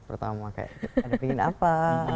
pertama kayak ada pengen apa